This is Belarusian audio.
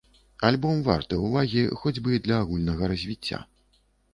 Альбом варты ўвагі, хоць бы і для агульнага развіцця.